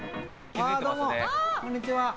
どうも、こんにちは。